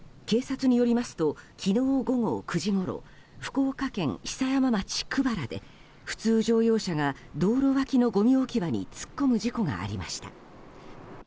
警察によりますと昨日午後９時ごろ福岡県久山町久原で普通乗用車が道路脇のごみ置き場に突っ込む事故がありました。